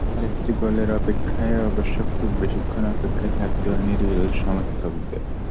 আরেকটি গোলের অপেক্ষায় অবশ্য খুব বেশিক্ষণ অপেক্ষায় থাকতে হয়নি রিয়ালের সমর্থকদের।